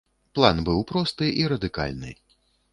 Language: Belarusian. План быў просты і радыкальны.